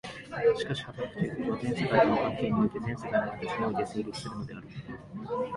しかし働くということは、全世界との関係において、全世界の形において成立するのである。